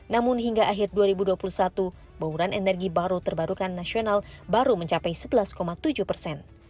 namun hingga akhir dua ribu dua puluh satu bauran energi baru terbarukan nasional baru mencapai sebelas tujuh persen